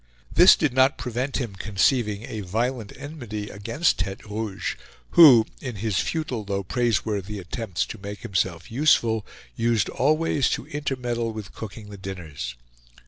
This did not prevent his conceiving a violent enmity against Tete Rouge, who, in his futile though praiseworthy attempts to make himself useful used always to intermeddle with cooking the dinners.